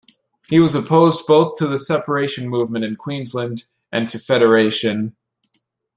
He was opposed both to the separation movement in Queensland and to federation.